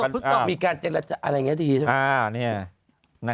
พึกศพมีการเจรจอะไรอย่างนี้ดีใช่ไหม